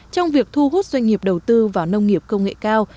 trong việc thu hút doanh nghiệp đầu tư vào nông nghiệp công nghệ cao